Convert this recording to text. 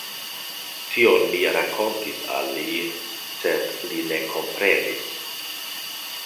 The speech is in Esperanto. Tion mi rakontis al li, sed li ne komprenis.